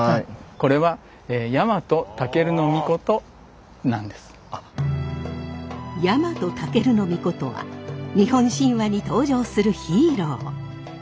これは日本武尊は日本神話に登場するヒーロー。